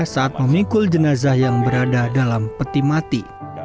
saat memikul jenazah yang berada dalam peti mati